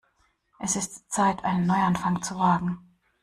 Es ist Zeit, einen Neuanfang zu wagen.